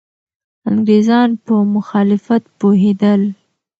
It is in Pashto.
انګریزان په مخالفت پوهېدل.